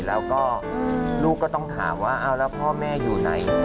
แล้วก็ลูกก็ต้องถามว่าเอาแล้วพ่อแม่อยู่ไหน